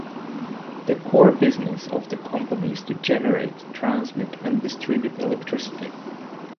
The core business of the company is to generate, transmit and distribute electricity.